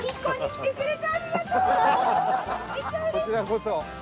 こちらこそ。